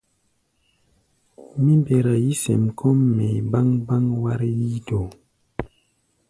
Mí mbɛra yí-sɛm kɔ́ʼm mɛʼi̧ báŋ-báŋ wár yíítoó.